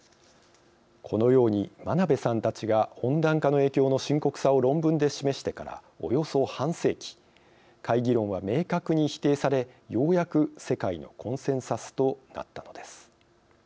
このように真鍋さんたちが温暖化の影響の深刻さを論文で示してからおよそ半世紀懐疑論は明確に否定されようやく世界のコンセンサスとなったのです。